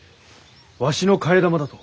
わしの替え玉だと？